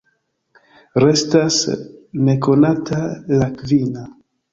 Restas nekonata la kvina.